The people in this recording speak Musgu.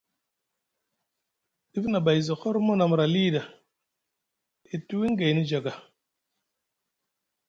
Dif nʼabay zi hormo nʼa mra li ɗa, e tuwiŋ gayni jaaga.